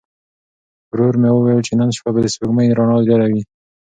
ورور مې وویل چې نن شپه به د سپوږمۍ رڼا ډېره وي.